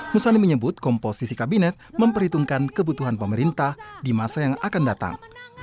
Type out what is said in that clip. musani menyebut komposisi kabinet memperhitungkan kebutuhan pemerintah di masa yang akan datang